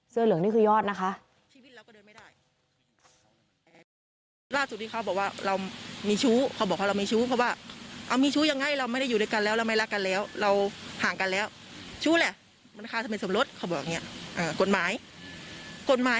เสื้อเหลืองนี่คือยอดนะคะ